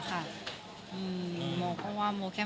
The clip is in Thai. โมก็ว่าโมเข้มแข็งระดับหนึ่งแล้ว